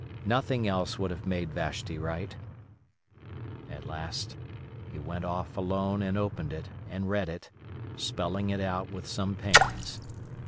Nothing else would have made Vashti write. At last he went off alone and opened it, and read it, spelling it out with some pains.